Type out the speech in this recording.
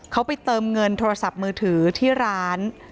เขาไปเติมเงินโทรศัพท์มือถือที่ร้าน